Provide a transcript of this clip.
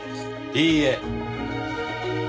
いいえ。